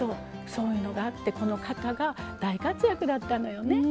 そういうのがあってこの型が大活躍だったのよね。